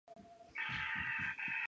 昨天我儿子闹着要去公园玩。